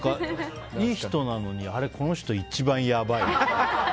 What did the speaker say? いい人なのにあれ、この人一番やばいって。